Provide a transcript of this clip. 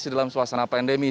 dalam suasana pandemi